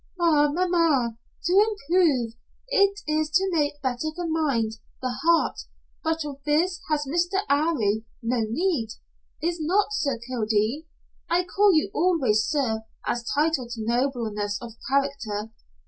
"Ah, mamma, to improve it is to make better the mind the heart but of this has Mr. 'Arry no need. Is not, Sir Kildene? I call you always Sir as title to nobleness of character.